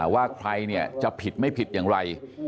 ว่าใครจะผิดไม่ผิดอย่างไร